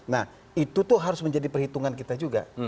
nah itu tuh harus menjadi perhitungan kita juga